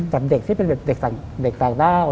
กับเด็กที่เป็นเด็กต่างด้าว